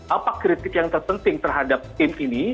apa kritik yang terpenting terhadap tim ini